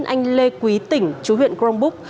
anh lê quý tỉnh chú huyện crong búc